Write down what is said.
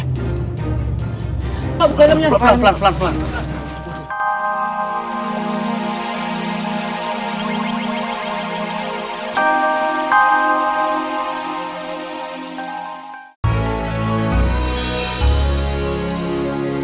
pak buka ilangnya